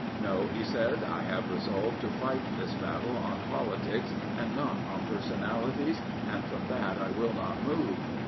" No," he said, " I have resolved to fight this battle on politics and not on personalities, and from that I will not move."